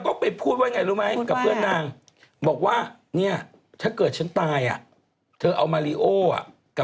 คุณพี่ไข่วันเป็นไงคะที่น้องดิวที่อธิษณานี่อีก